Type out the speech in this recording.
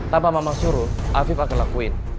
tanpa mama suruh afif akan lakuin